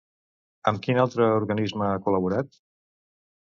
Amb quin altre organisme ha col·laborat?